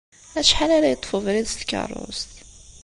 Acḥal ara yeṭṭef ubrid s tkeṛṛust?